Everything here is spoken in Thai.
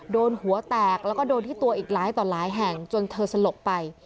โดนหัวแตกแล้วก็โดนที่ตัวอีกหลายต่อหลายแห่งจนเธอสลบไป